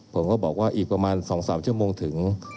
ผมก็บอกว่าอีกประมาณ๒๓ชั่วโมงถึง